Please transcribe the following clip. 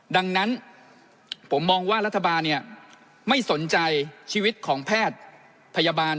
ดังนั้นผมมองว่ารัฐบาลเนี่ยไม่สนใจชีวิตของแพทย์พยาบาล